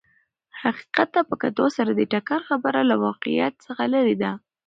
حقیقت ته په کتو سره د ټکر خبره له واقعیت څخه لرې ده.